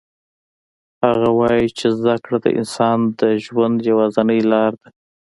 هغه وایي چې زده کړه د انسان د ژوند یوازینی لار ده